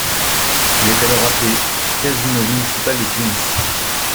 Il est alors appelé Casino municipal de Tunis.